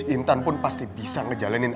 intan pun pasti bisa ngejalanin